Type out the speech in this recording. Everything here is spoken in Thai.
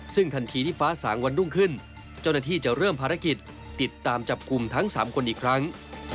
ซึ่งทันทีที่ฟ้าสางวันรุ่งขึ้นเจ้าหน้าที่จะเริ่มภารกิจติดตามจับกลุ่มทั้ง๓คนอีกครั้ง